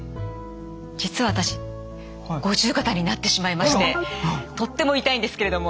実は私五十肩になってしまいましてとっても痛いんですけれども。